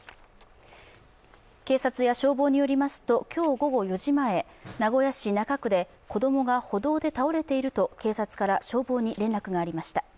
警察や消防によりますと今日午後４時前、名古屋市中区で子供が歩道で倒れていると警察から消防に連絡がありました。